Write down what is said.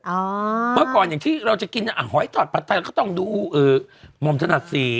อ่าเพราะก่อนอย่างที่เราจะกินหอยตอบปลัดใต้ก็ต้องดูอือมวมสนับสี